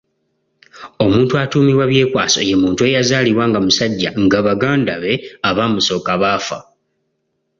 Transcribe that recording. Omuntu atuumibwa Byekwaso ye muntu eyazaalibwa nga musajja nga baganda be abaamusooka baafa.